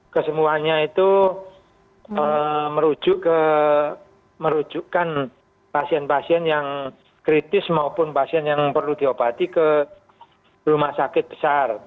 kesemuanya itu merujukkan pasien pasien yang kritis maupun pasien yang perlu diobati ke rumah sakit besar